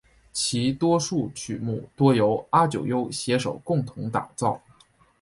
其多数曲目多由阿久悠携手共同打造。